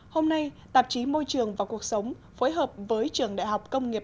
hôm nay tạp chí môi trường và cuộc sống phối hợp với trường đại học công nghiệp